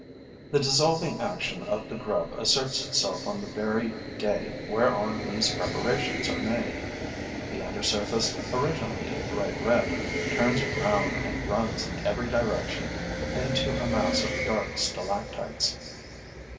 The dissolving action of the grub asserts itself on the very day whereon these preparations are made. The undersurface, originally a bright red, turns brown and runs in every direction into a mass of dark stalactites.